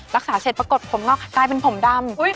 รักษาเสร็จปรากฏผมก็กลายเป็นผมดำ